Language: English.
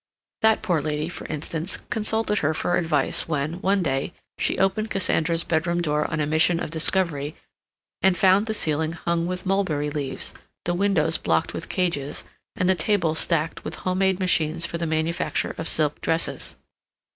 That poor lady, for instance, consulted her for advice when, one day, she opened Cassandra's bedroom door on a mission of discovery, and found the ceiling hung with mulberry leaves, the windows blocked with cages, and the tables stacked with home made machines for the manufacture of silk dresses.